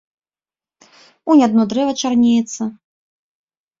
Унь адно дрэва чарнеецца.